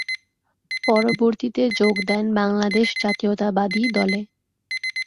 পরবর্তীতে যোগ দেন বাংলাদেশ জাতীয়তাবাদী দলে।